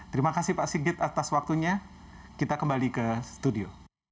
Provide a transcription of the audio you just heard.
terima kasih pak sigit atas waktunya kita kembali ke studio